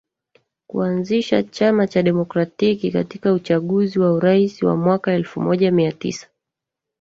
kuanzisha chama cha Demokratiki Katika uchaguzi wa Urais wa mwaka elfu moja mia tisa